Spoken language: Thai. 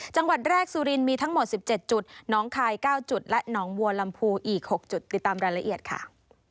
จังหวัดแรกสุรินทร์มีทั้งหมด๑๗จุดน้องคาย๙จุดและหนองบัวลำพูอีก๖จุดติดตามรายละเอียดค่ะ